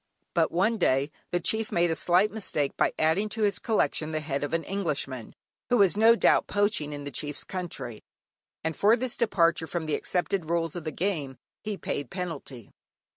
But one day the Chief made a slight mistake by adding to his collection the head of an Englishman (who was no doubt poaching in the Chief's country) and for this departure from the accepted rules of the game, he paid penalty.